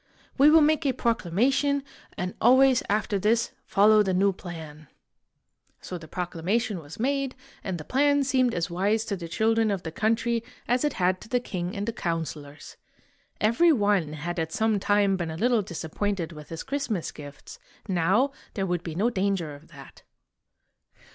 We will make a proclamation, and always after this follow the new plan." So the proclamation was made, and the plan seemed as wise to the children of the country as it had to the king and the counselors. Every one had at some time been a little disappointed with his Christmas gifts; now there would be no danger of that.